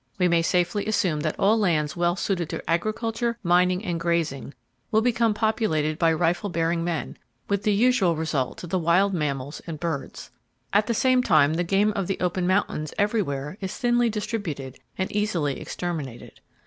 We may safely assume that all lands well suited to agriculture, mining and grazing will become populated by rifle bearing men, with the usual result to the wild mammals and birds. At the same time, the game of the open mountains everywhere is thinly distributed and easily exterminated.